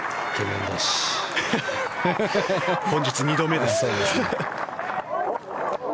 本日２度目です。